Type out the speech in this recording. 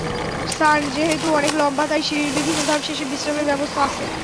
সান যেহেতু অনেক লম্বা তাই সিঁড়ির বিভিন্ন ধাপ শেষে বিশ্রামের ব্যবস্থা আছে।